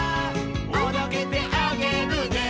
「おどけてあげるね」